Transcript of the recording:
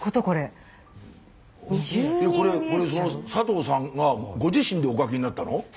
これ佐藤さんがご自身でお描きになったの？